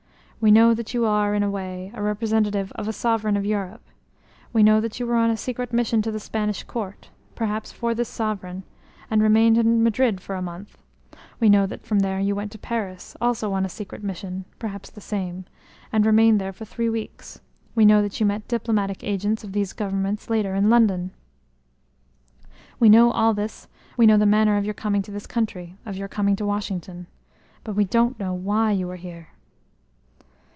We know that you are, in a way, a representative of a sovereign of Europe; we know that you were on a secret mission to the Spanish court, perhaps for this sovereign, and remained in Madrid for a month; we know that from there you went to Paris, also on a secret mission perhaps the same and remained there for three weeks; we know that you met diplomatic agents of those governments later in London. We know all this; we know the manner of your coming to this country; of your coming to Washington. But we don't know why you are here."